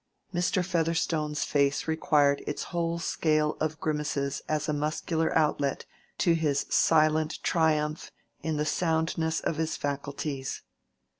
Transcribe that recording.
Mr. Featherstone's face required its whole scale of grimaces as a muscular outlet to his silent triumph in the soundness of his faculties.